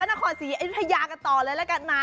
นครศรีอยุธยากันต่อเลยละกันนะ